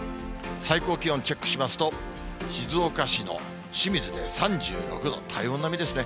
最高気温チェックしますと、静岡市の清水で３６度、体温並みですね。